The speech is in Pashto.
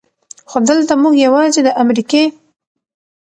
خو دلته مونږ يواځې د امريکې